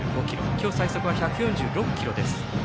今日最速は１４６キロです。